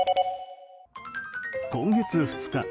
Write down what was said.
今月２日。